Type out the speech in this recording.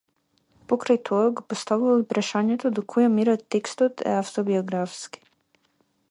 Покрај тоа го поставувал и прашањето до која мера текстот е автобиографски.